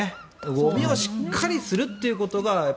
ゴミをしっかりするということが。